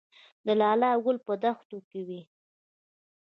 د لاله ګل په دښتو کې وي